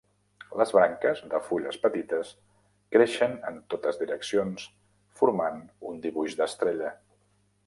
Les branques, de fulles petites, creixen en totes direccions formant un dibuix d'estrella.